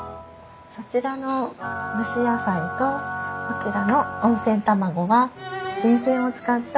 そちらの蒸し野菜とこちらの温泉卵は源泉を使ったお料理です。